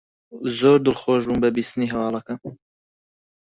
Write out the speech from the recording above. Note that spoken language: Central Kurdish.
زۆر دڵخۆش بووم بە بیستنی هەواڵەکە.